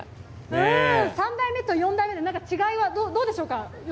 ３代目と４代目の違いはどうでしょうか？